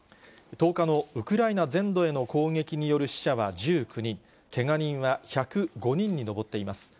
１０日のウクライナ全土への攻撃による死者は１９人、けが人は１０５人に上っています。